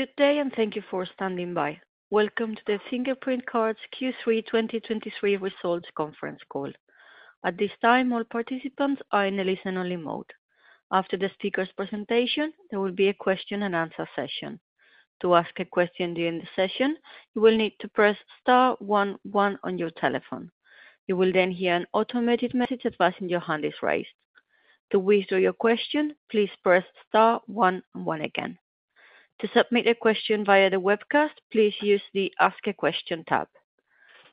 Good day, and thank you for standing by. Welcome to the Fingerprint Cards Q3 2023 results conference call. At this time, all participants are in a listen-only mode. After the speaker's presentation, there will be a question and answer session. To ask a question during the session, you will need to press star one one on your telephone. You will then hear an automated message advising your hand is raised. To withdraw your question, please press star one one again. To submit a question via the webcast, please use the Ask a Question tab.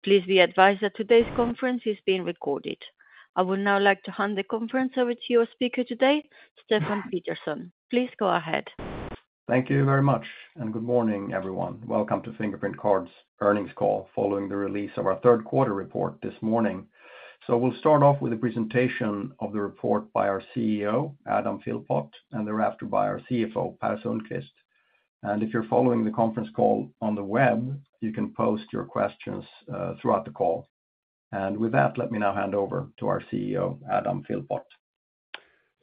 Please be advised that today's conference is being recorded. I would now like to hand the conference over to your speaker today, Stefan Pettersson. Please go ahead. Thank you very much, and good morning, everyone. Welcome to Fingerprint Cards earnings call, following the release of our third quarter report this morning. So we'll start off with a presentation of the report by our CEO, Adam Philpott, and thereafter by our CFO, Per Sundqvist. And if you're following the conference call on the web, you can post your questions throughout the call. And with that, let me now hand over to our CEO, Adam Philpott.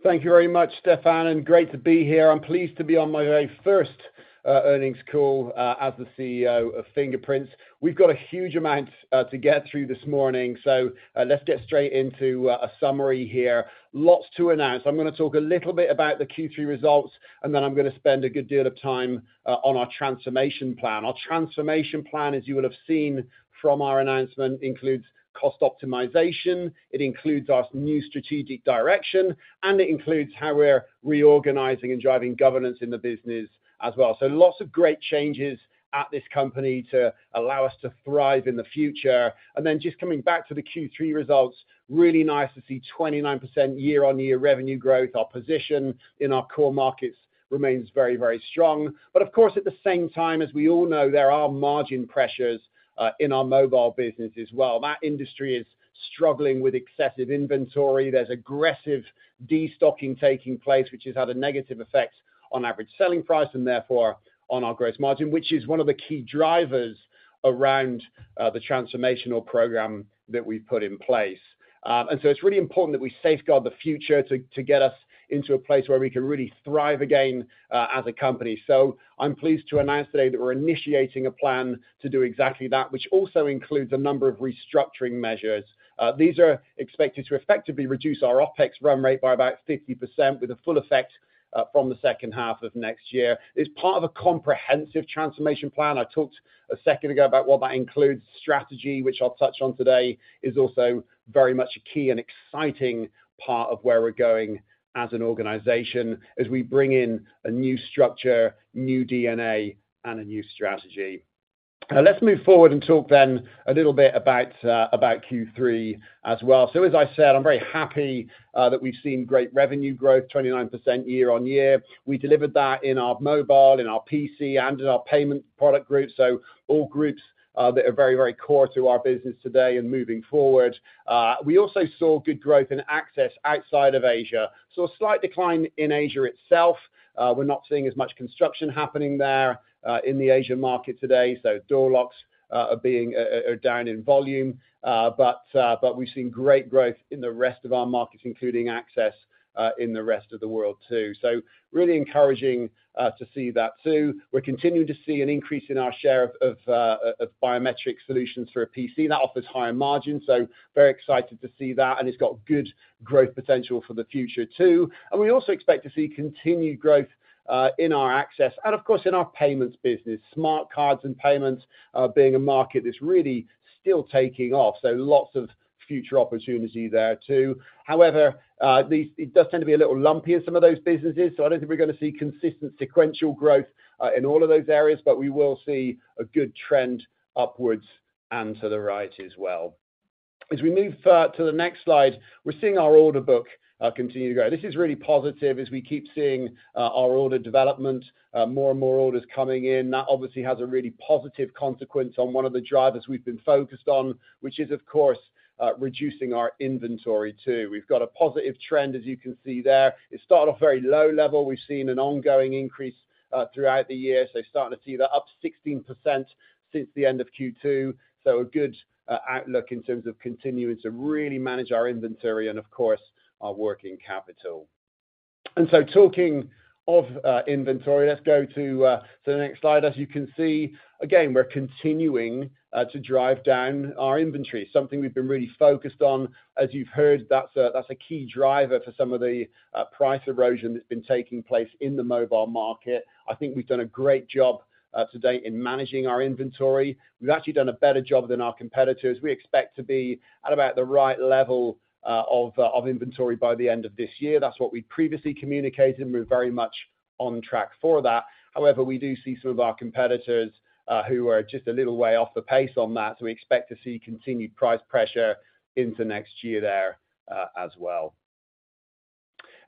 Thank you very much, Stefan, and great to be here. I'm pleased to be on my very first earnings call as the CEO of Fingerprints. We've got a huge amount to get through this morning, so let's get straight into a summary here. Lots to announce. I'm gonna talk a little bit about the Q3 results, and then I'm gonna spend a good deal of time on our transformation plan. Our transformation plan, as you will have seen from our announcement, includes cost optimization, it includes our new strategic direction, and it includes how we're reorganizing and driving governance in the business as well. So lots of great changes at this company to allow us to thrive in the future. And then just coming back to the Q3 results, really nice to see 29% year-on-year revenue growth. Our position in our core markets remains very, very strong. But of course, at the same time, as we all know, there are margin pressures in our mobile business as well. That industry is struggling with excessive inventory. There's aggressive destocking taking place, which has had a negative effect on average selling price and therefore on our gross margin, which is one of the key drivers around the transformational program that we've put in place. And so it's really important that we safeguard the future to get us into a place where we can really thrive again as a company. So I'm pleased to announce today that we're initiating a plan to do exactly that, which also includes a number of restructuring measures. These are expected to effectively reduce our OpEx run rate by about 50%, with a full effect from the second half of next year. It's part of a comprehensive transformation plan. I talked a second ago about what that includes. Strategy, which I'll touch on today, is also very much a key and exciting part of where we're going as an organization, as we bring in a new structure, new DNA, and a new strategy. Let's move forward and talk then a little bit about Q3 as well. So as I said, I'm very happy that we've seen great revenue growth, 29% year-on-year. We delivered that in our mobile, in our PC, and in our payment product group. So all groups that are very, very core to our business today and moving forward. We also saw good growth in access outside of Asia, so a slight decline in Asia itself. We're not seeing as much construction happening there, in the Asia market today, so door locks are down in volume. But we've seen great growth in the rest of our markets, including access in the rest of the world, too. So really encouraging to see that too. We're continuing to see an increase in our share of biometric solutions for a PC. That offers higher margin, so very excited to see that, and it's got good growth potential for the future, too. And we also expect to see continued growth in our access and, of course, in our payments business. Smart cards and payments, being a market that's really still taking off, so lots of future opportunity there, too. However, these, it does tend to be a little lumpy in some of those businesses, so I don't think we're going to see consistent sequential growth, in all of those areas, but we will see a good trend upwards and to the right as well. As we move to the next slide, we're seeing our order book continue to grow. This is really positive as we keep seeing our order development, more and more orders coming in. That obviously has a really positive consequence on one of the drivers we've been focused on, which is, of course, reducing our inventory too. We've got a positive trend, as you can see there. It started off very low level. We've seen an ongoing increase throughout the year, so starting to see that up 16% since the end of Q2. So a good outlook in terms of continuing to really manage our inventory and, of course, our working capital. And so talking of inventory, let's go to the next slide. As you can see, again, we're continuing to drive down our inventory, something we've been really focused on. As you've heard, that's a key driver for some of the price erosion that's been taking place in the mobile market. I think we've done a great job to date in managing our inventory. We've actually done a better job than our competitors. We expect to be at about the right level of inventory by the end of this year. That's what we previously communicated, and we're very much on track for that. However, we do see some of our competitors, who are just a little way off the pace on that, so we expect to see continued price pressure into next year there, as well.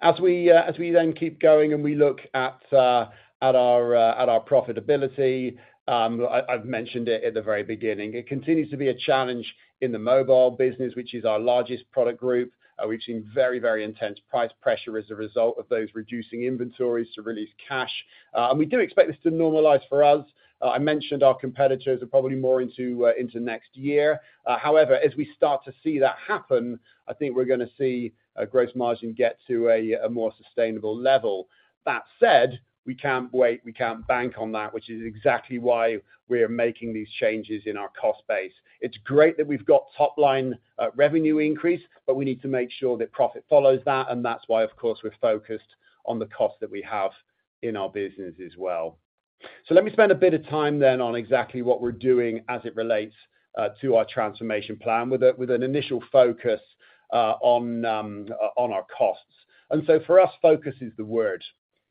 As we then keep going and we look at our profitability, I've mentioned it at the very beginning. It continues to be a challenge in the mobile business, which is our largest product group. We've seen very, very intense price pressure as a result of those reducing inventories to release cash. And we do expect this to normalize for us.... I mentioned our competitors are probably more into next year. However, as we start to see that happen, I think we're gonna see gross margin get to a more sustainable level. That said, we can't wait, we can't bank on that, which is exactly why we are making these changes in our cost base. It's great that we've got top line revenue increase, but we need to make sure that profit follows that, and that's why, of course, we're focused on the cost that we have in our business as well. So let me spend a bit of time then on exactly what we're doing as it relates to our transformation plan, with an initial focus on our costs. And so for us, focus is the word.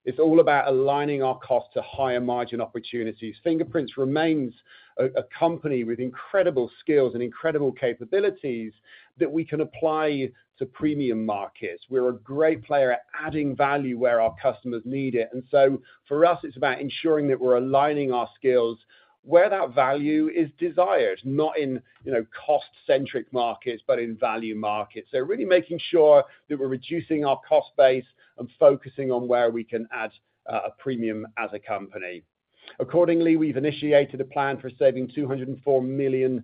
It's all about aligning our costs to higher margin opportunities. Fingerprint remains a company with incredible skills and incredible capabilities that we can apply to premium markets. We're a great player at adding value where our customers need it. And so for us, it's about ensuring that we're aligning our skills where that value is desired, not in, you know, cost-centric markets, but in value markets. So really making sure that we're reducing our cost base and focusing on where we can add a premium as a company. Accordingly, we've initiated a plan for saving 204 million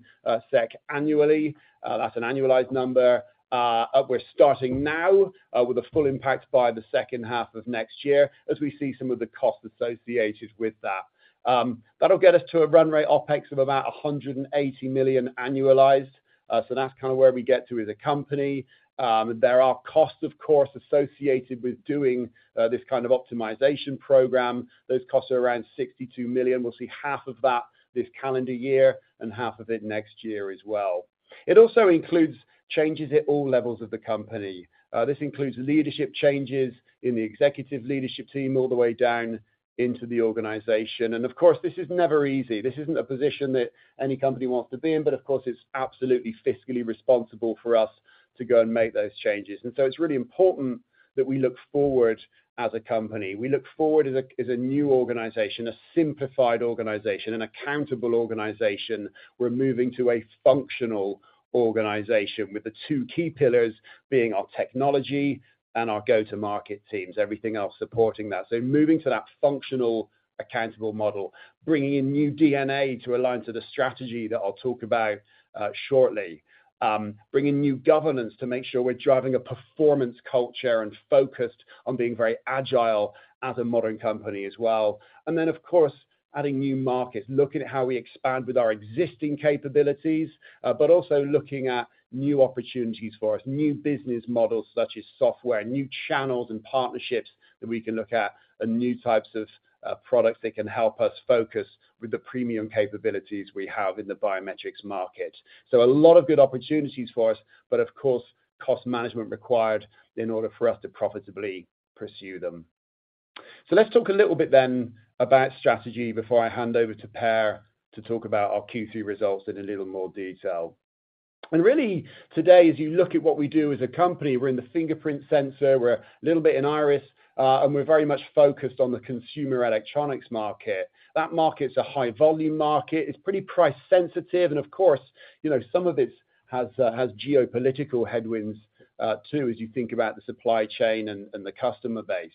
SEK annually. That's an annualized number. We're starting now, with a full impact by the second half of next year as we see some of the costs associated with that. That'll get us to a run rate OpEx of about 180 million annualized. So that's kind of where we get to as a company. There are costs, of course, associated with doing this kind of optimization program. Those costs are around 62 million. We'll see half of that this calendar year and half of it next year as well. It also includes changes at all levels of the company. This includes leadership changes in the executive leadership team, all the way down into the organization. And of course, this is never easy. This isn't a position that any company wants to be in, but of course, it's absolutely fiscally responsible for us to go and make those changes. And so it's really important that we look forward as a company. We look forward as a, as a new organization, a simplified organization, an accountable organization. We're moving to a functional organization with the two key pillars being our technology and our go-to-market teams, everything else supporting that. So moving to that functional, accountable model, bringing in new DNA to align to the strategy that I'll talk about, shortly. Bringing new governance to make sure we're driving a performance culture and focused on being very agile as a modern company as well. And then, of course, adding new markets, looking at how we expand with our existing capabilities, but also looking at new opportunities for us, new business models such as software, new channels and partnerships that we can look at, and new types of, products that can help us focus with the premium capabilities we have in the biometrics market. So a lot of good opportunities for us, but of course, cost management required in order for us to profitably pursue them. So let's talk a little bit then about strategy before I hand over to Per to talk about our Q3 results in a little more detail. And really, today, as you look at what we do as a company, we're in the fingerprint sensor, we're a little bit in iris, and we're very much focused on the consumer electronics market. That market's a high volume market. It's pretty price sensitive, and of course, you know, some of it has geopolitical headwinds, too, as you think about the supply chain and the customer base.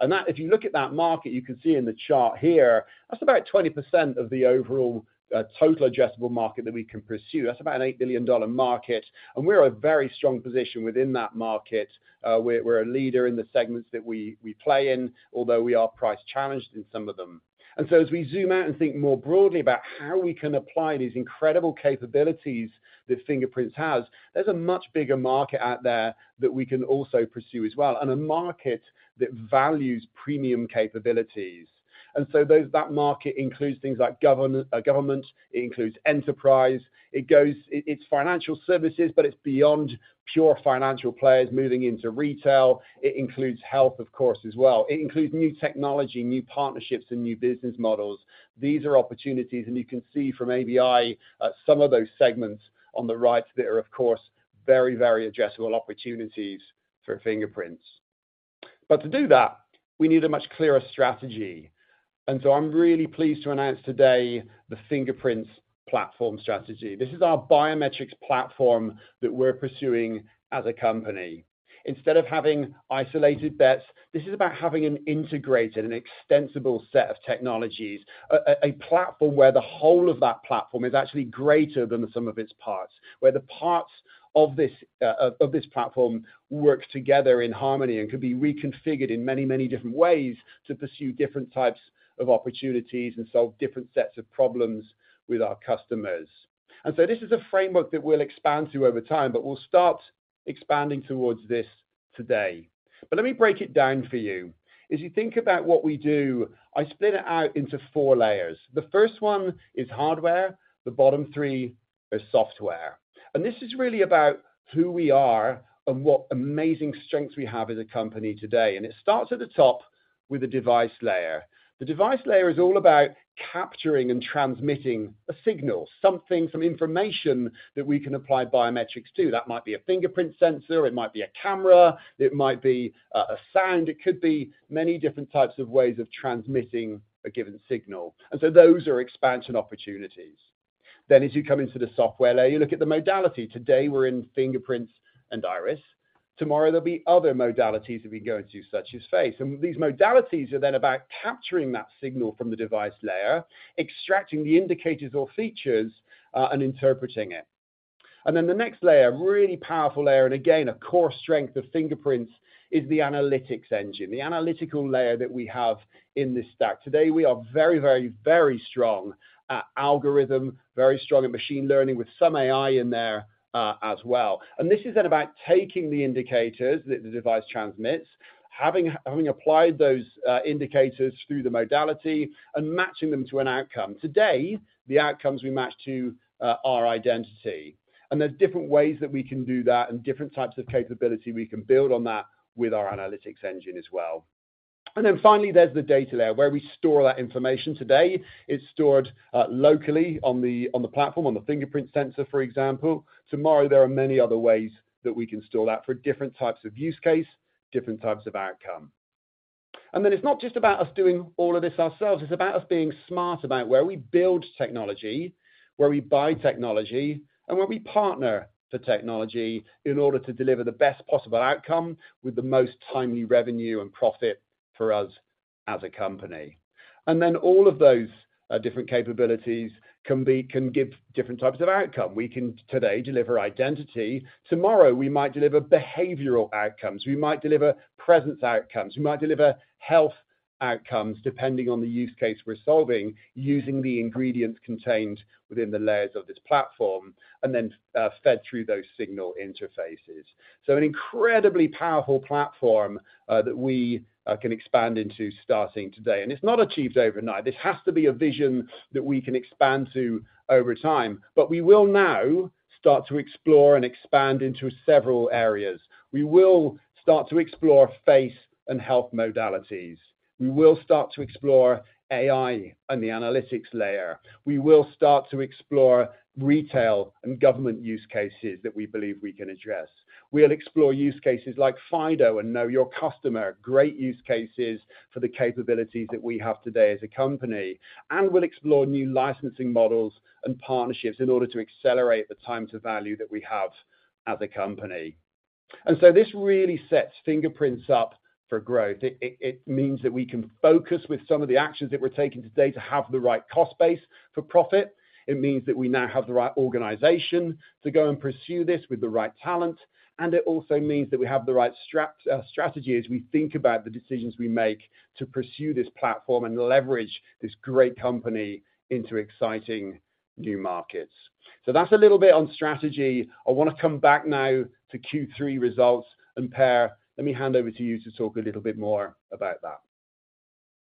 And that, if you look at that market, you can see in the chart here, that's about 20% of the overall total adjustable market that we can pursue. That's about a $8 billion market, and we're in a very strong position within that market. We're a leader in the segments that we play in, although we are price challenged in some of them. And so as we zoom out and think more broadly about how we can apply these incredible capabilities that Fingerprint has, there's a much bigger market out there that we can also pursue as well, and a market that values premium capabilities. And so that market includes things like government, it includes enterprise, it's financial services, but it's beyond pure financial players moving into retail. It includes health, of course, as well. It includes new technology, new partnerships, and new business models. These are opportunities, and you can see from ABI some of those segments on the right that are, of course, very, very addressable opportunities for Fingerprint. But to do that, we need a much clearer strategy. And so I'm really pleased to announce today the Fingerprint platform strategy. This is our biometrics platform that we're pursuing as a company. Instead of having isolated bets, this is about having an integrated and extensible set of technologies, a platform where the whole of that platform is actually greater than the sum of its parts, where the parts of this platform work together in harmony and can be reconfigured in many, many different ways to pursue different types of opportunities and solve different sets of problems with our customers. This is a framework that we'll expand to over time, but we'll start expanding towards this today. Let me break it down for you. As you think about what we do, I split it out into four layers. The first one is hardware, the bottom three is software. This is really about who we are and what amazing strengths we have as a company today, and it starts at the top with a device layer. The device layer is all about capturing and transmitting a signal, something, some information that we can apply biometrics to. That might be a fingerprint sensor, it might be a camera, it might be a sound, it could be many different types of ways of transmitting a given signal. Those are expansion opportunities.... As you come into the software layer, you look at the modality. Today, we're in fingerprints and iris. Tomorrow, there'll be other modalities that we go into, such as face. And these modalities are then about capturing that signal from the device layer, extracting the indicators or features, and interpreting it. And then the next layer, really powerful layer, and again, a core strength of fingerprints is the analytics engine, the analytical layer that we have in this stack. Today, we are very, very, very strong at algorithm, very strong at machine learning, with some AI in there, as well. And this is then about taking the indicators that the device transmits, having applied those indicators through the modality and matching them to an outcome. Today, the outcomes we match to are identity, and there's different ways that we can do that and different types of capability we can build on that with our analytics engine as well. And then finally, there's the data layer, where we store that information. Today, it's stored locally on the platform, on the fingerprint sensor, for example. Tomorrow, there are many other ways that we can store that for different types of use case, different types of outcome. And then it's not just about us doing all of this ourselves, it's about us being smart about where we build technology, where we buy technology, and where we partner for technology in order to deliver the best possible outcome with the most timely revenue and profit for us as a company. And then all of those different capabilities can give different types of outcome. We can, today, deliver identity. Tomorrow, we might deliver behavioral outcomes. We might deliver presence outcomes. We might deliver health outcomes, depending on the use case we're solving, using the ingredients contained within the layers of this platform and then fed through those signal interfaces. So an incredibly powerful platform that we can expand into starting today. And it's not achieved overnight. This has to be a vision that we can expand to over time, but we will now start to explore and expand into several areas. We will start to explore face and health modalities. We will start to explore AI and the analytics layer. We will start to explore retail and government use cases that we believe we can address. We'll explore use cases like FIDO and Know Your Customer, great use cases for the capabilities that we have today as a company. We'll explore new licensing models and partnerships in order to accelerate the time to value that we have as a company. This really sets Fingerprints up for growth. It means that we can focus with some of the actions that we're taking today to have the right cost base for profit. It means that we now have the right organization to go and pursue this with the right talent, and it also means that we have the right strategy as we think about the decisions we make to pursue this platform and leverage this great company into exciting new markets. That's a little bit on strategy. I want to come back now to Q3 results, and Per, let me hand over to you to talk a little bit more about that.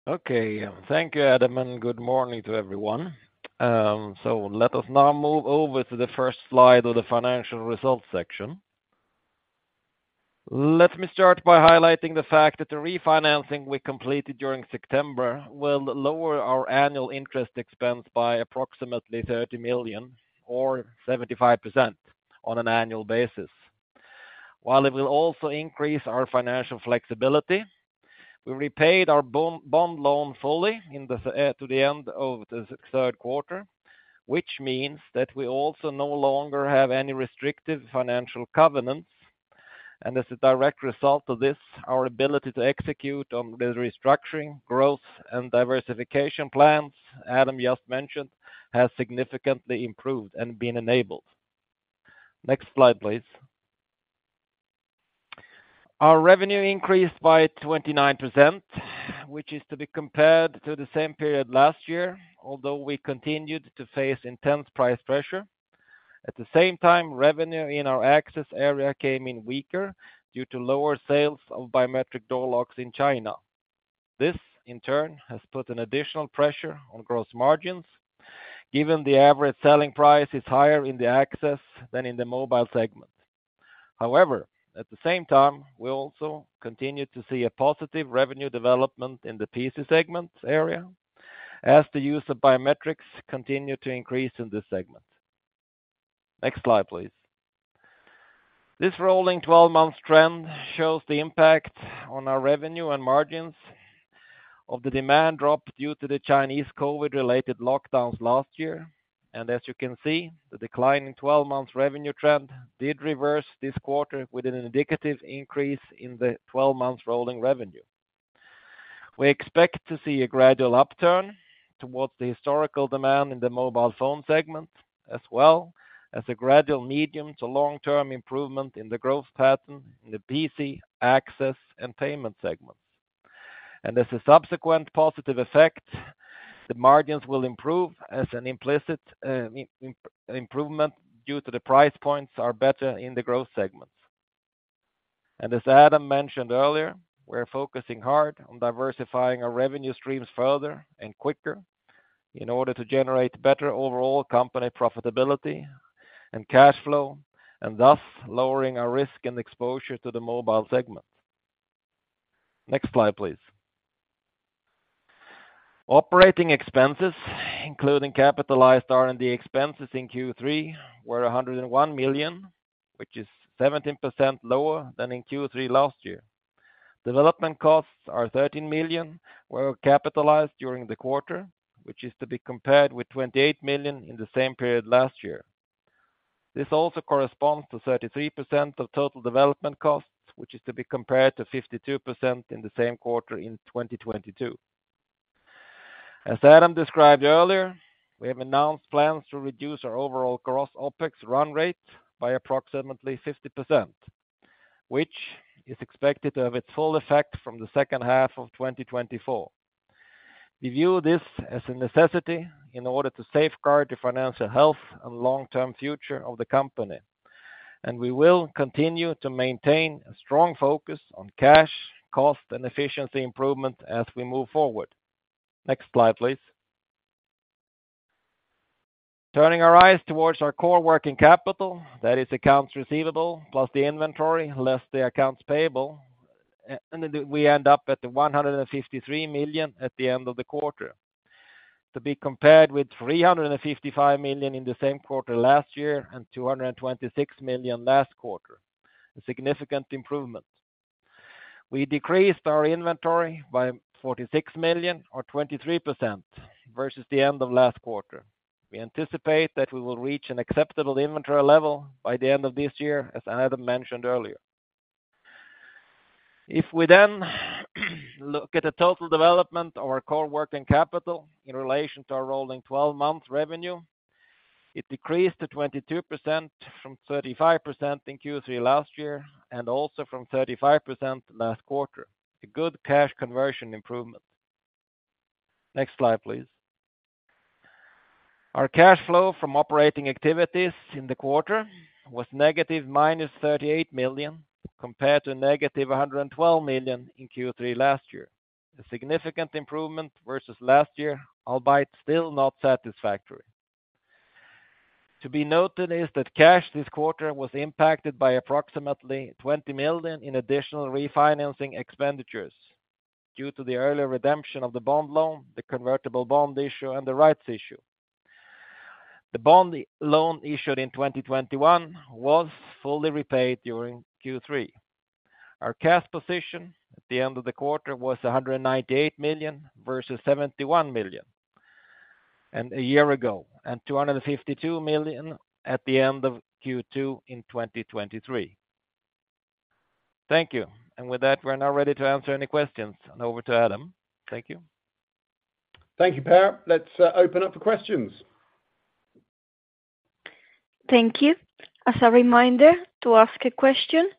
Okay, thank you, Adam, and good morning to everyone. So let us now move over to the first slide of the financial results section. Let me start by highlighting the fact that the refinancing we completed during September will lower our annual interest expense by approximately 30 million or 75% on an annual basis, while it will also increase our financial flexibility. We repaid our bond loan fully by the end of the third quarter, which means that we also no longer have any restrictive financial covenants, and as a direct result of this, our ability to execute on the restructuring, growth, and diversification plans Adam just mentioned, has significantly improved and been enabled. Next slide, please. Our revenue increased by 29%, which is to be compared to the same period last year, although we continued to face intense price pressure. At the same time, revenue in our access area came in weaker due to lower sales of biometric door locks in China. This, in turn, has put an additional pressure on gross margins, given the average selling price is higher in the access than in the mobile segment. However, at the same time, we also continued to see a positive revenue development in the PC segment area, as the use of biometrics continued to increase in this segment. Next slide, please. This rolling 12-month trend shows the impact on our revenue and margins of the demand drop due to the Chinese COVID-related lockdowns last year. And as you can see, the decline in 12 months revenue trend did reverse this quarter with an indicative increase in the 12-month rolling revenue. We expect to see a gradual upturn towards the historical demand in the mobile phone segment, as well as a gradual medium to long-term improvement in the growth pattern in the PC, access, and payment segments. And as a subsequent positive effect, the margins will improve as an implicit improvement due to the price points are better in the growth segments. And as Adam mentioned earlier, we're focusing hard on diversifying our revenue streams further and quicker in order to generate better overall company profitability and cash flow, and thus lowering our risk and exposure to the mobile segment. Next slide, please. Operating expenses, including capitalized R&D expenses in Q3, were 101 million, which is 17% lower than in Q3 last year. Development costs are 13 million were capitalized during the quarter, which is to be compared with 28 million in the same period last year. This also corresponds to 33% of total development costs, which is to be compared to 52% in the same quarter in 2022. As Adam described earlier, we have announced plans to reduce our overall gross OpEx run rate by approximately 50%, which is expected to have its full effect from the second half of 2024. We view this as a necessity in order to safeguard the financial health and long-term future of the company, and we will continue to maintain a strong focus on cash, cost, and efficiency improvement as we move forward. Next slide, please. Turning our eyes towards our core working capital, that is accounts receivable, plus the inventory, less the accounts payable, and then we end up at 153 million at the end of the quarter, to be compared with 355 million in the same quarter last year and 226 million last quarter. A significant improvement. We decreased our inventory by 46 million, or 23% versus the end of last quarter. We anticipate that we will reach an acceptable inventory level by the end of this year, as Adam mentioned earlier. If we then look at the total development of our core working capital in relation to our rolling 12-month revenue, it decreased to 22% from 35% in Q3 last year, and also from 35% last quarter. A good cash conversion improvement. Next slide, please. Our cash flow from operating activities in the quarter was -38 million, compared to -112 million in Q3 last year. A significant improvement versus last year, albeit still not satisfactory. To be noted is that cash this quarter was impacted by approximately 20 million in additional refinancing expenditures due to the earlier redemption of the bond loan, the convertible bond issue, and the rights issue. The bond loan issued in 2021 was fully repaid during Q3. Our cash position at the end of the quarter was 198 million versus 71 million a year ago, and 252 million at the end of Q2 in 2023. Thank you. With that, we're now ready to answer any questions. Over to Adam. Thank you. Thank you, Per. Let's open up for questions. Thank you. As a reminder to ask a question,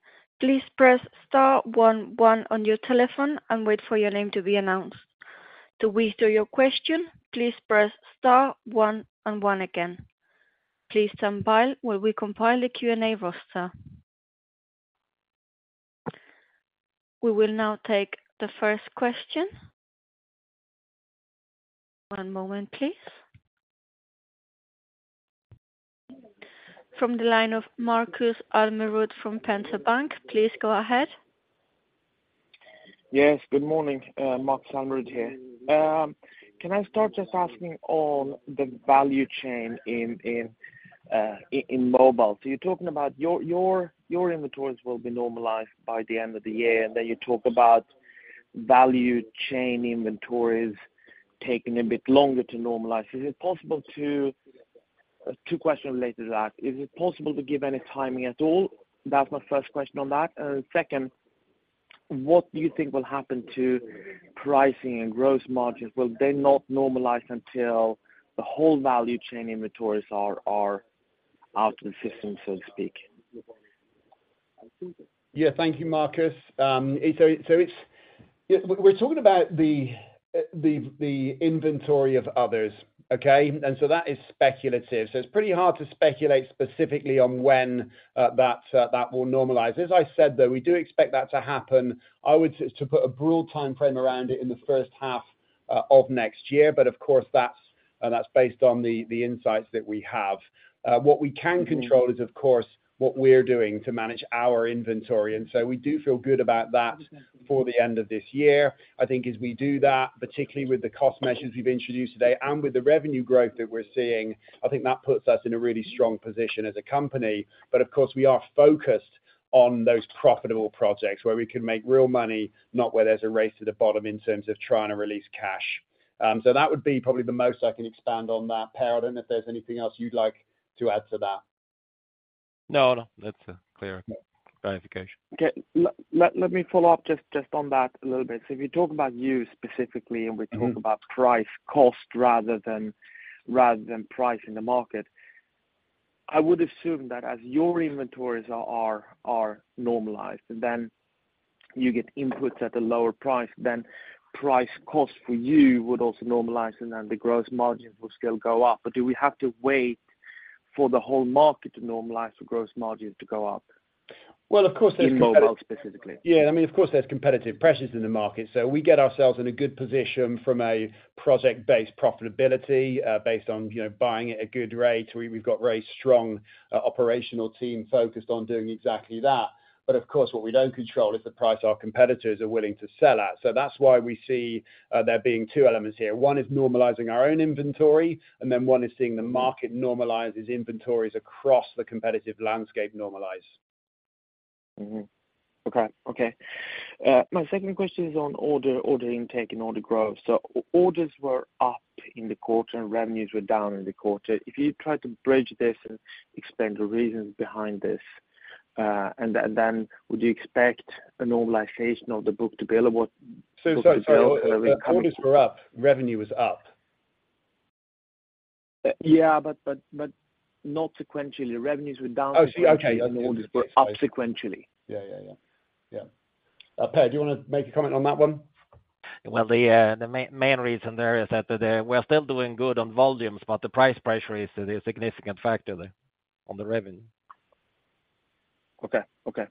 please press star one, one on your telephone and wait for your name to be announced. To withdraw your question, please press star one and one again. Please stand by while we compile the Q&A roster. We will now take the first question. One moment, please. From the line of Markus Almerud from Erik Penser Bank, please go ahead. Yes, good morning, Markus Almerud here. Can I start just asking on the value chain in mobile? So you're talking about your inventories will be normalized by the end of the year, and then you talk about value chain inventories taking a bit longer to normalize. Is it possible to... Two questions related to that: Is it possible to give any timing at all? That's my first question on that. And second, what do you think will happen to pricing and gross margins? Will they not normalize until the whole value chain inventories are out of the system, so to speak? Yeah. Thank you, Markus. So it's-- Yeah, we're talking about the inventory of others. Okay? And so that is speculative. So it's pretty hard to speculate specifically on when that will normalize. As I said, though, we do expect that to happen. I would say to put a broad timeframe around it, in the first half of next year, but of course, that's based on the insights that we have. What we can control is, of course, what we're doing to manage our inventory, and so we do feel good about that for the end of this year. I think as we do that, particularly with the cost measures we've introduced today and with the revenue growth that we're seeing, I think that puts us in a really strong position as a company. Of course, we are focused on those profitable projects where we can make real money, not where there's a race to the bottom in terms of trying to release cash. That would be probably the most I can expand on that. Per, I don't know if there's anything else you'd like to add to that? No, no, that's a clear clarification. Okay. Let me follow up just on that a little bit. So if you talk about you specifically- Mm-hmm. And we talk about price, cost rather than price in the market. I would assume that as your inventories are normalized, then you get inputs at a lower price, then price cost for you would also normalize, and then the gross margins will still go up. But do we have to wait for the whole market to normalize for gross margins to go up? Well, of course, there's comp- In mobile, specifically. Yeah. I mean, of course, there's competitive pressures in the market, so we get ourselves in a good position from a project-based profitability, based on, you know, buying at a good rate. We've got very strong operational team focused on doing exactly that. But of course, what we don't control is the price our competitors are willing to sell at. So that's why we see there being two elements here. One is normalizing our own inventory, and then one is seeing the market normalizes inventories across the competitive landscape normalize. ... Mm-hmm. Okay, okay. My second question is on order intake and order growth. So orders were up in the quarter, and revenues were down in the quarter. If you try to bridge this and explain the reasons behind this, and then would you expect a normalization of the book to bill or what- So sorry, sorry. Orders were up, revenue was up. Yeah, but not sequentially. Revenues were down- Oh, see, okay- Orders were up sequentially. Yeah, yeah, yeah. Yeah. Per, do you want to make a comment on that one? Well, the main reason there is that we're still doing good on volumes, but the price pressure is the significant factor there on the revenue. Okay, okay.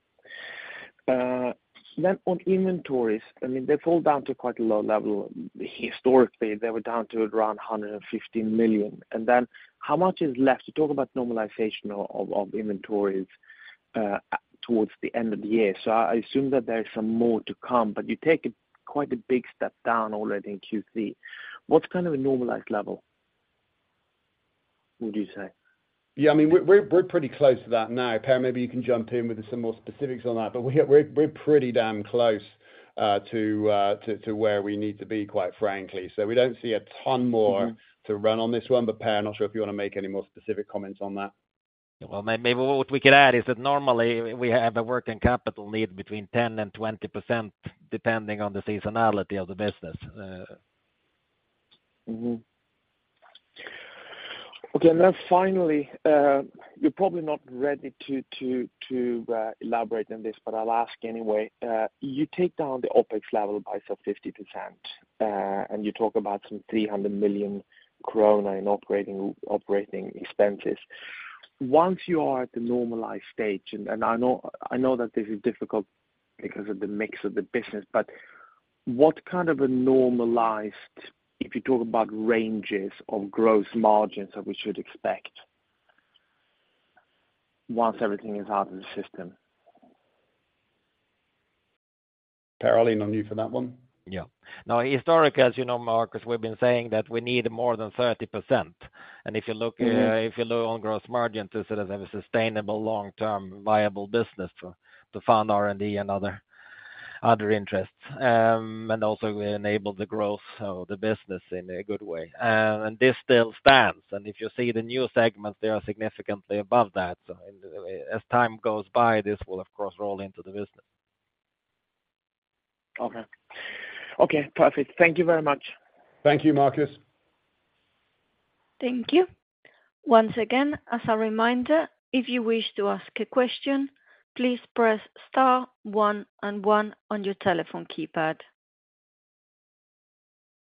Then on inventories, I mean, they fall down to quite a low level. Historically, they were down to around 115 million. And then how much is left? You talk about normalization of inventories towards the end of the year. So I assume that there is some more to come, but you take quite a big step down already in Q3. What's kind of a normalized level, would you say? Yeah, I mean, we're pretty close to that now. Per, maybe you can jump in with some more specifics on that, but we're pretty damn close to where we need to be, quite frankly. So we don't see a ton more- Mm-hmm ... to run on this one. But Per, I'm not sure if you want to make any more specific comments on that. Well, maybe what we could add is that normally we have a working capital need between 10%-20%, depending on the seasonality of the business. Mm-hmm. Okay, and then finally, you're probably not ready to elaborate on this, but I'll ask anyway. You take down the OpEx level by some 50%, and you talk about some 300 million kronor in operating expenses. Once you are at the normalized stage, and I know that this is difficult because of the mix of the business, but what kind of a normalized, if you talk about ranges of gross margins that we should expect once everything is out of the system? Per, I'll lean on you for that one. Yeah. Now, historically, as you know, Markus, we've been saying that we need more than 30%. And if you look- Mm-hmm... if you look on gross margin to sort of have a sustainable long-term, viable business to fund R&D and other interests, and also enable the growth of the business in a good way. And this still stands, and if you see the new segments, they are significantly above that. So as time goes by, this will of course roll into the business. Okay. Okay, perfect. Thank you very much. Thank you, Markus. Thank you. Once again, as a reminder, if you wish to ask a question, please press star one and one on your telephone keypad.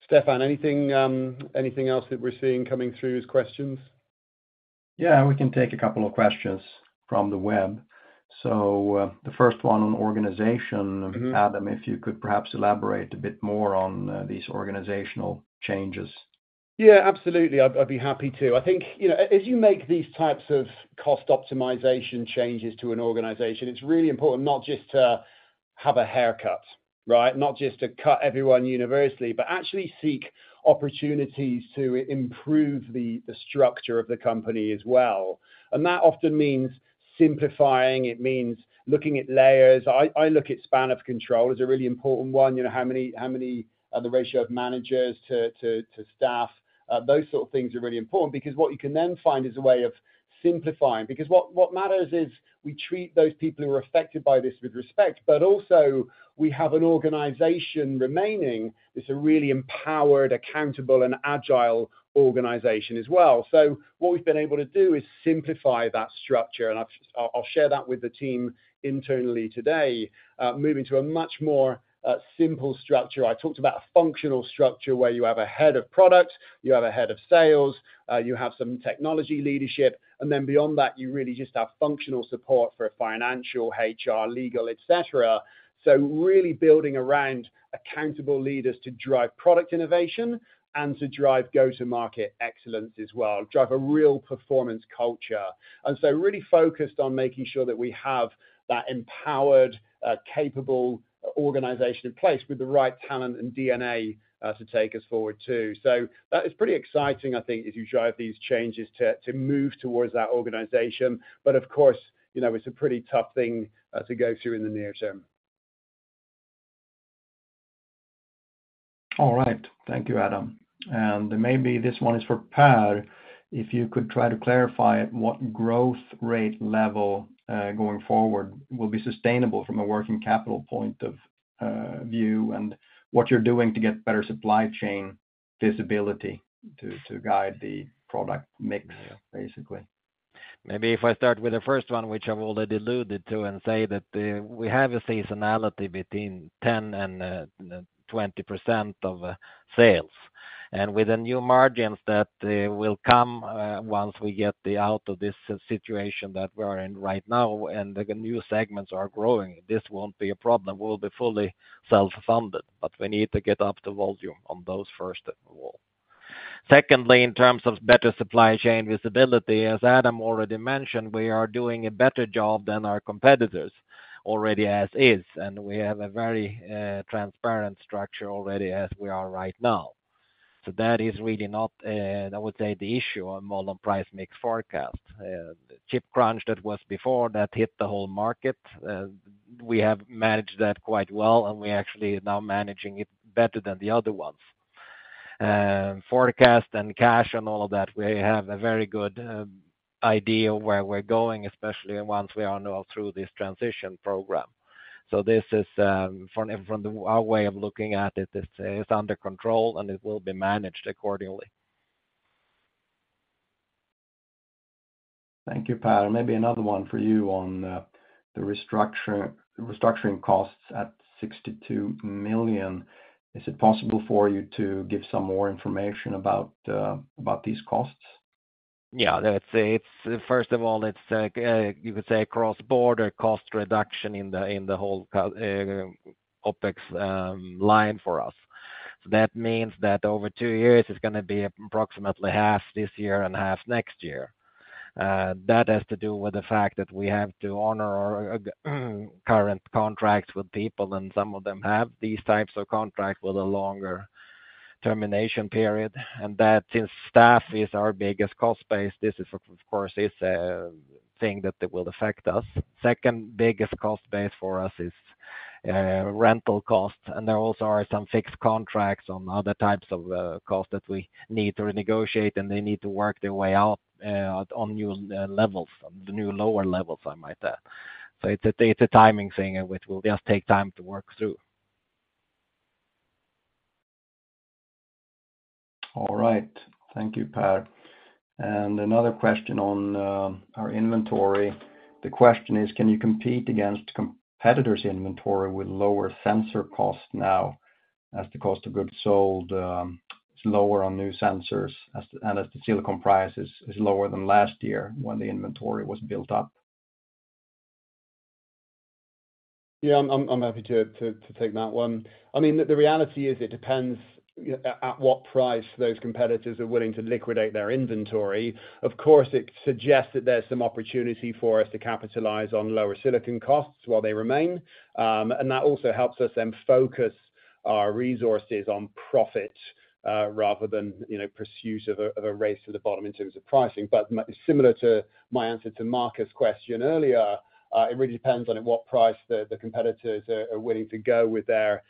Stefan, anything else that we're seeing coming through as questions? Yeah, we can take a couple of questions from the web. So, the first one on organization. Mm-hmm. Adam, if you could perhaps elaborate a bit more on these organizational changes. Yeah, absolutely. I'd be happy to. I think, you know, as you make these types of cost optimization changes to an organization, it's really important not just to have a haircut, right? Not just to cut everyone universally, but actually seek opportunities to improve the structure of the company as well. And that often means simplifying, it means looking at layers. I look at span of control as a really important one. You know, the ratio of managers to staff? Those sort of things are really important because what you can then find is a way of simplifying. Because what matters is we treat those people who are affected by this with respect, but also we have an organization remaining. It's a really empowered, accountable and agile organization as well. So what we've been able to do is simplify that structure, and I've, I'll share that with the team internally today, moving to a much more simple structure. I talked about a functional structure where you have a head of product, you have a head of sales, you have some technology leadership, and then beyond that, you really just have functional support for financial, HR, legal, et cetera. So really building around accountable leaders to drive product innovation and to drive go-to-market excellence as well, drive a real performance culture. And so really focused on making sure that we have that empowered, capable organization in place with the right talent and DNA, to take us forward, too. So that is pretty exciting, I think, as you drive these changes to move towards that organization. Of course, you know, it's a pretty tough thing to go through in the near term. All right. Thank you, Adam. Maybe this one is for Per. If you could try to clarify what growth rate level, going forward, will be sustainable from a working capital point of view, and what you're doing to get better supply chain visibility to guide the product mix, basically? Maybe if I start with the first one, which I've already alluded to, and say that we have a seasonality between 10%-20% of sales. And with the new margins that will come once we get out of this situation that we're in right now, and the new segments are growing, this won't be a problem. We'll be fully self-funded, but we need to get up the volume on those first of all. Secondly, in terms of better supply chain visibility, as Adam already mentioned, we are doing a better job than our competitors already as is, and we have a very transparent structure already as we are right now. So that is really not, I would say, the issue on model and price mix forecast. The chip crunch that was before, that hit the whole market. We have managed that quite well, and we actually are now managing it better than the other ones. And forecast and cash and all of that, we have a very good idea of where we're going, especially once we are now through this transition program. This is from our way of looking at it, it's under control and it will be managed accordingly. Thank you, Per. Maybe another one for you on the restructure- restructuring costs at 62 million. Is it possible for you to give some more information about these costs? Yeah, let's say it's, first of all, it's like you could say cross-border cost reduction in the whole OpEx line for us. So that means that over two years, it's gonna be approximately half this year and half next year. That has to do with the fact that we have to honor our current contracts with people, and some of them have these types of contracts with a longer termination period, and that since staff is our biggest cost base, this is, of course, a thing that it will affect us. Second biggest cost base for us is rental costs, and there also are some fixed contracts on other types of costs that we need to renegotiate, and they need to work their way out on new levels, the new lower levels, I might add. It's a, it's a timing thing, which will just take time to work through. All right. Thank you, Per. Another question on our inventory. The question is: Can you compete against competitors' inventory with lower sensor cost now, as the cost of goods sold is lower on new sensors, and as the silicon price is lower than last year when the inventory was built up? Yeah, I'm happy to take that one. I mean, the reality is it depends at what price those competitors are willing to liquidate their inventory. Of course, it suggests that there's some opportunity for us to capitalize on lower silicon costs while they remain. And that also helps us then focus our resources on profit, rather than, you know, pursuit of a race to the bottom in terms of pricing. But similar to my answer to Markus' question earlier, it really depends on at what price the competitors are willing to go with their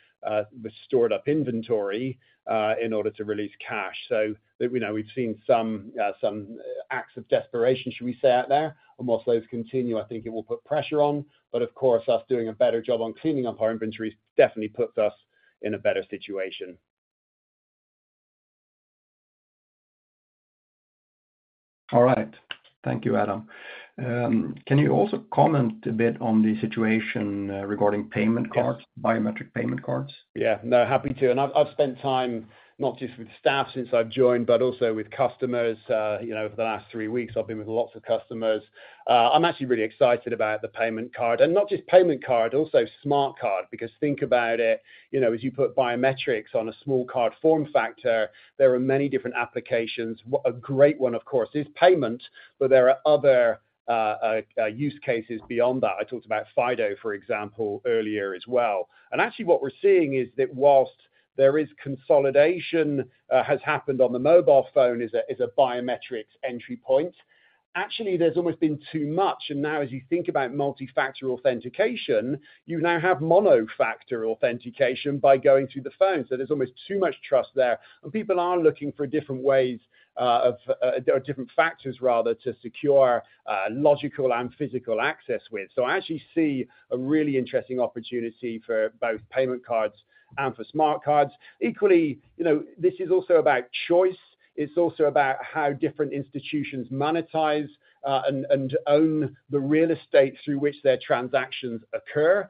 stored-up inventory in order to release cash. So, we know we've seen some acts of desperation, should we say, out there, and whilst those continue, I think it will put pressure on. Of course, us doing a better job on cleaning up our inventories definitely puts us in a better situation. All right. Thank you, Adam. Can you also comment a bit on the situation regarding payment cards, biometric payment cards? Yeah. No, happy to. And I've, I've spent time not just with staff since I've joined, but also with customers. You know, over the last three weeks, I've been with lots of customers. I'm actually really excited about the payment card, and not just payment card, also smart card, because think about it, you know, as you put biometrics on a small card form factor, there are many different applications. A great one, of course, is payment, but there are other use cases beyond that. I talked about FIDO, for example, earlier as well. And actually, what we're seeing is that while there is consolidation has happened on the mobile phone as a biometric entry point, actually, there's almost been too much. And now, as you think about multifactor authentication, you now have mono factor authentication by going through the phone. So there's almost too much trust there, and people are looking for different ways of or different factors, rather, to secure logical and physical access with. I actually see a really interesting opportunity for both payment cards and for smart cards. Equally, you know, this is also about choice. It's also about how different institutions monetize and own the real estate through which their transactions occur.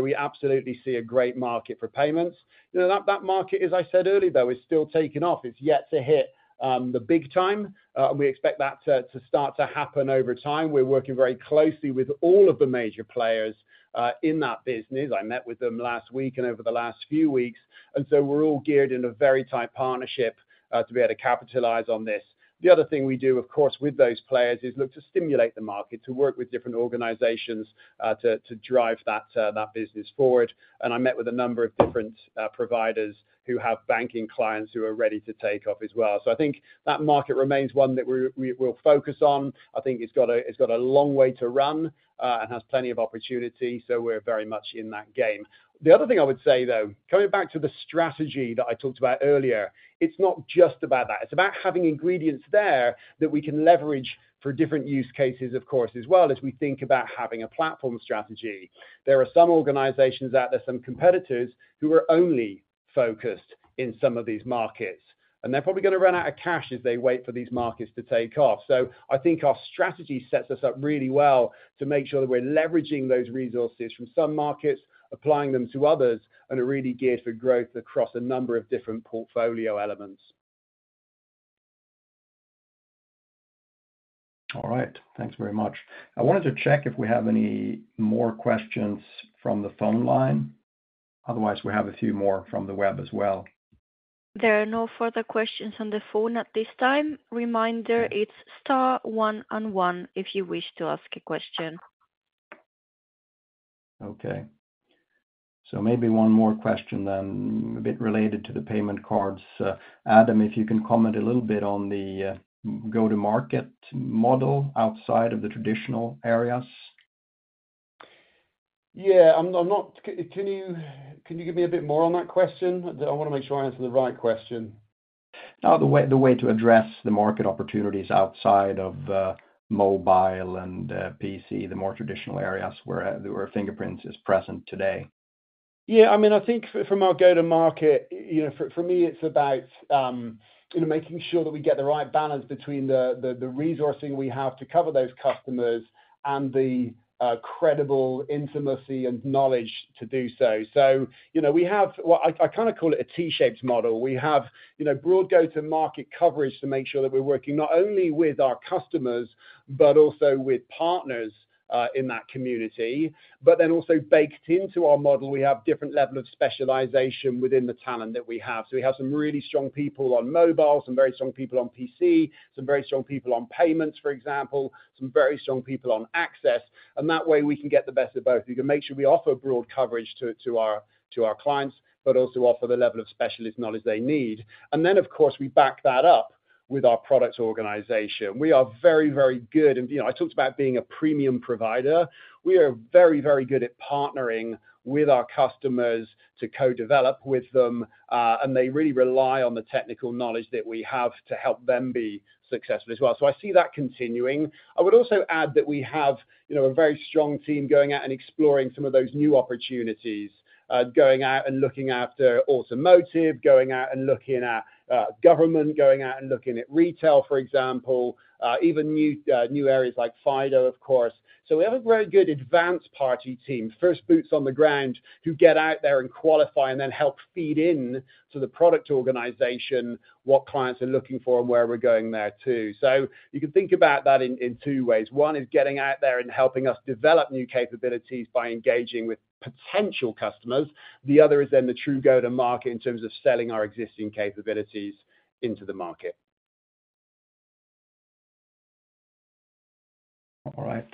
We absolutely see a great market for payments. You know, that market, as I said earlier, though, is still taking off. It's yet to hit the big time, and we expect that to start to happen over time. We're working very closely with all of the major players in that business. I met with them last week and over the last few weeks, and so we're all geared in a very tight partnership to be able to capitalize on this. The other thing we do, of course, with those players is look to stimulate the market, to work with different organizations to drive that business forward. And I met with a number of different providers who have banking clients who are ready to take off as well. So I think that market remains one that we'll focus on. I think it's got a long way to run and has plenty of opportunity, so we're very much in that game. The other thing I would say, though, coming back to the strategy that I talked about earlier, it's not just about that. It's about having ingredients there that we can leverage for different use cases, of course, as well as we think about having a platform strategy. There are some organizations out there, some competitors, who are only focused in some of these markets, and they're probably going to run out of cash as they wait for these markets to take off. So I think our strategy sets us up really well to make sure that we're leveraging those resources from some markets, applying them to others, and are really geared for growth across a number of different portfolio elements. All right. Thanks very much. I wanted to check if we have any more questions from the phone line. Otherwise, we have a few more from the web as well. There are no further questions on the phone at this time. Reminder, it's star one and one if you wish to ask a question.... Okay, so maybe one more question then, a bit related to the payment cards. Adam, if you can comment a little bit on the go-to-market model outside of the traditional areas? Yeah, I'm not. Can you give me a bit more on that question? I wanna make sure I answer the right question. The way to address the market opportunities outside of mobile and PC, the more traditional areas where Fingerprints is present today. Yeah. I mean, I think from our go-to-market, you know, for me, it's about, you know, making sure that we get the right balance between the resourcing we have to cover those customers and the credible intimacy and knowledge to do so. So, you know, we have what I kinda call it a T-shaped model. We have, you know, broad go-to-market coverage to make sure that we're working not only with our customers, but also with partners in that community. But then also baked into our model, we have different level of specialization within the talent that we have. So we have some really strong people on mobile, some very strong people on PC, some very strong people on payments, for example, some very strong people on access, and that way, we can get the best of both. We can make sure we offer broad coverage to our clients, but also offer the level of specialist knowledge they need. Then, of course, we back that up with our product organization. We are very, very good. And, you know, I talked about being a premium provider. We are very, very good at partnering with our customers to co-develop with them, and they really rely on the technical knowledge that we have to help them be successful as well. So I see that continuing. I would also add that we have, you know, a very strong team going out and exploring some of those new opportunities, going out and looking after automotive, going out and looking at government, going out and looking at retail, for example, even new areas like FIDO, of course. So we have a very good advanced party team, first boots on the ground, who get out there and qualify and then help feed in to the product organization, what clients are looking for and where we're going there, too. So you can think about that in two ways. One is getting out there and helping us develop new capabilities by engaging with potential customers. The other is then the true go-to-market in terms of selling our existing capabilities into the market. All right.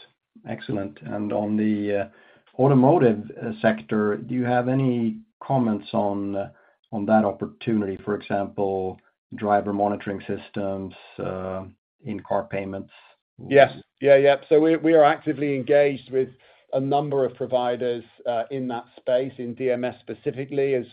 Excellent. And on the automotive sector, do you have any comments on that opportunity, for example, driver monitoring systems, in-car payments? Yes. Yeah, yeah. So we are actively engaged with a number of providers in that space, in DMS specifically. As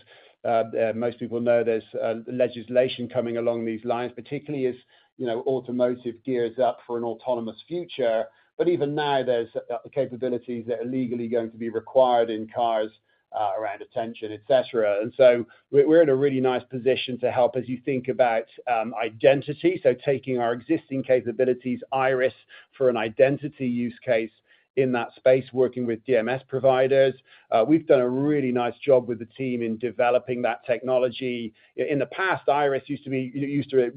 most people know, there's legislation coming along these lines, particularly as, you know, automotive gears up for an autonomous future. But even now, there's capabilities that are legally going to be required in cars around attention, et cetera. And so we're in a really nice position to help as you think about identity, so taking our existing capabilities, iris, for an identity use case in that space, working with DMS providers. We've done a really nice job with the team in developing that technology. In the past, iris used to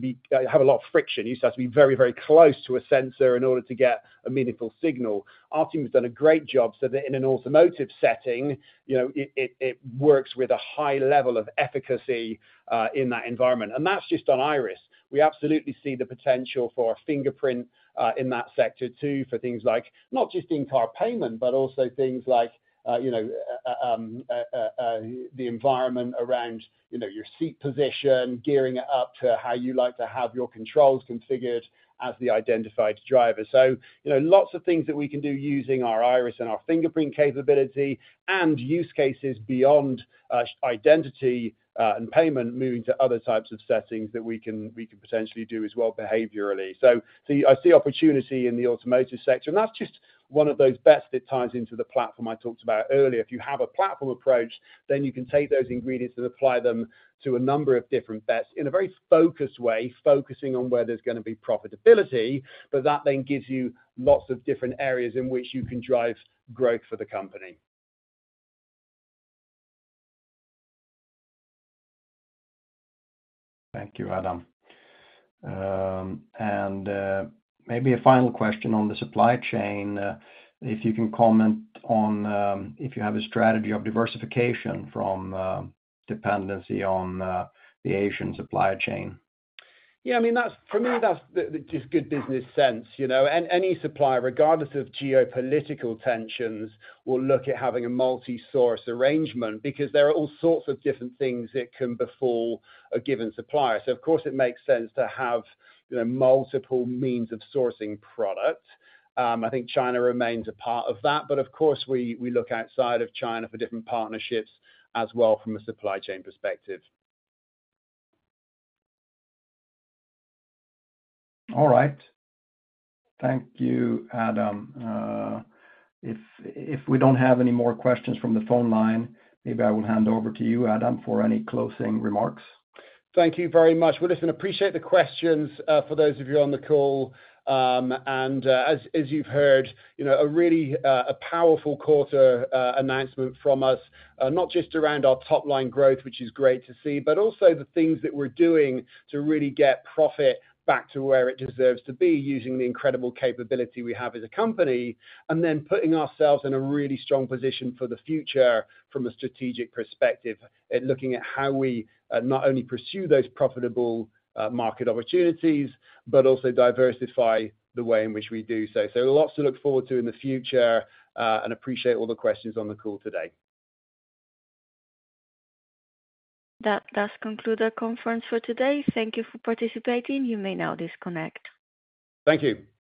have a lot of friction, used to have to be very, very close to a sensor in order to get a meaningful signal. Our team has done a great job so that in an automotive setting, you know, it works with a high level of efficacy in that environment, and that's just on iris. We absolutely see the potential for a fingerprint in that sector, too, for things like, not just in-car payment, but also things like, you know, the environment around, you know, your seat position, gearing it up to how you like to have your controls configured as the identified driver. So, you know, lots of things that we can do using our iris and our fingerprint capability and use cases beyond identity and payment, moving to other types of settings that we can potentially do as well behaviorally. So, I see opportunity in the automotive sector, and that's just one of those bets that ties into the platform I talked about earlier. If you have a platform approach, then you can take those ingredients and apply them to a number of different bets in a very focused way, focusing on where there's gonna be profitability, but that then gives you lots of different areas in which you can drive growth for the company. Thank you, Adam. Maybe a final question on the supply chain: if you can comment on if you have a strategy of diversification from dependency on the Asian supply chain? Yeah, I mean, that's... For me, that's just good business sense, you know. And any supplier, regardless of geopolitical tensions, will look at having a multi-source arrangement because there are all sorts of different things that can befall a given supplier. So of course, it makes sense to have, you know, multiple means of sourcing product. I think China remains a part of that, but of course, we look outside of China for different partnerships as well from a supply chain perspective. All right. Thank you, Adam. If, if we don't have any more questions from the phone line, maybe I will hand over to you, Adam, for any closing remarks. Thank you very much. Well, listen, appreciate the questions for those of you on the call. And as you've heard, you know, a really a powerful quarter announcement from us, not just around our top-line growth, which is great to see, but also the things that we're doing to really get profit back to where it deserves to be, using the incredible capability we have as a company, and then putting ourselves in a really strong position for the future from a strategic perspective in looking at how we not only pursue those profitable market opportunities, but also diversify the way in which we do so. So lots to look forward to in the future, and appreciate all the questions on the call today. That does conclude our conference for today. Thank you for participating. You may now disconnect. Thank you.